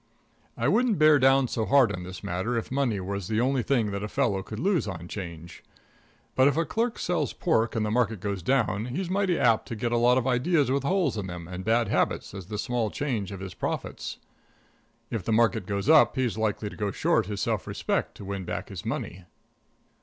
I wouldn't bear down so hard on this matter if money was the only thing that a fellow could lose on 'Change. But if a clerk sells pork, and the market goes down, he's mighty apt to get a lot of ideas with holes in them and bad habits as the small change of his profits. And if the market goes up, he's likely to go short his self respect to win back his money.